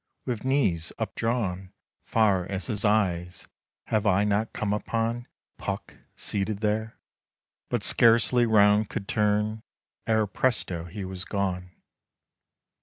With knees updrawn Far as his eyes, have I not come upon PUCK seated there? but scarcely 'round could turn Ere, presto! he was gone.